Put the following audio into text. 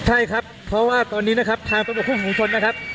ใช่ครับเพราะว่าตอนนี้นะครับทางตำรวจคุมภูมิชนนะครับ